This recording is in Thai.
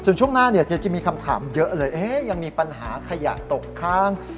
ส่วนช่วงหน้าเนี่ยเจจิมีคำถามเยอะเลยยังมีปัญหาขยะตกค้าง